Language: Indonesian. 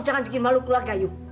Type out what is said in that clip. jangan bikin malu keluarga you